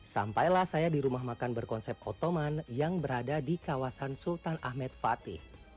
sampailah saya di rumah makan berkonsep ottoman yang berada di kawasan sultan ahmed fatih